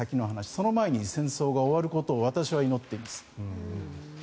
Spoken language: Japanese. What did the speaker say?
その前に戦争が終わることを私は祈っています。